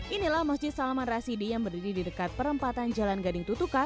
inilah masjid salaman rasidi yang berdiri di dekat perempatan jalan gading tutuka